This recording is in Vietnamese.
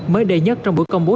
mới đầy nhất trong bữa công bố